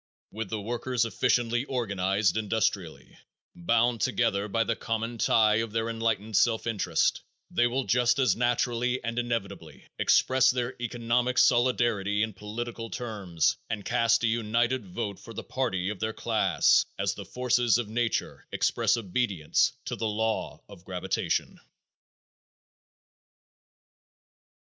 With the workers efficiently organized industrially, bound together by the common tie of their enlightened self interest, they will just as naturally and inevitably express their economic solidarity in political terms and cast a united vote for the party of their class as the forces of nature express obedience to the law of gravitation.